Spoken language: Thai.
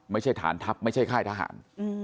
ไม่ใช่ฐานทัพไม่ใช่ค่ายทหาร